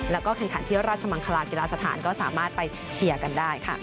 แล้วก็แข่งขันที่ราชมังคลากีฬาสถานก็สามารถไปเชียร์กันได้ค่ะ